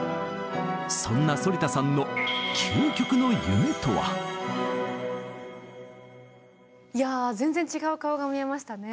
そんな反田さんのいや全然違う顔が見えましたね。